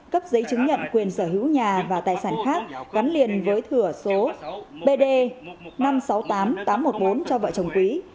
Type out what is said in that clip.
cấp giấy chứng nhận quyền sở hữu nhà và tài sản khác gắn liền với thửa số bd năm trăm sáu mươi tám tám trăm một mươi bốn cho vợ chồng quý